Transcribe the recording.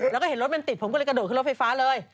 แล้วก็เห็นรถมันติดผมก็เลยกระโดดขึ้นรถไฟฟ้าเลย